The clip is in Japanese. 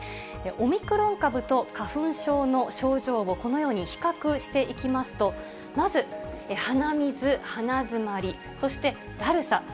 オミクロン株と花粉症の症状をこのように比較していきますと、まず鼻水、鼻詰まり、そしてだるさ。